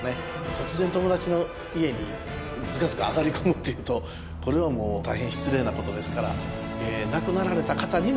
突然友達の家にずかずか上がり込むっていうとこれはもう大変失礼なことですから。